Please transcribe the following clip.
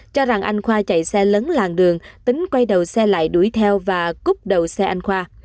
cho rằng anh khoa chạy xe lấn làng đường tính quay đầu xe lại đuổi theo và cúp đầu xe anh khoa